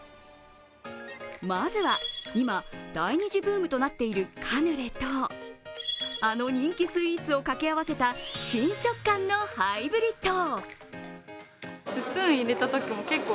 まずは今、第２次ブームとなっているカヌレと、あの人気スイーツを掛け合わせた新食感のハイブリッド。